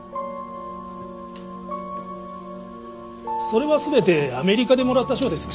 それは全てアメリカでもらった賞です。